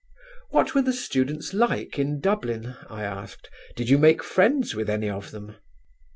"What were the students like in Dublin?" I asked. "Did you make friends with any of them?"